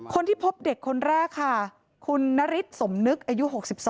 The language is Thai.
คนที่พบเด็กคนแรกค่ะคุณนฤทธิสมนึกอายุ๖๒